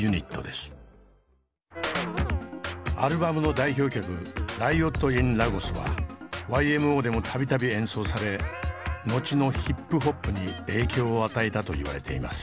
アルバムの代表曲「ＲＩＯＴＩＮＬＡＧＯＳ」はＹＭＯでも度々演奏され後のヒップホップに影響を与えたと言われています。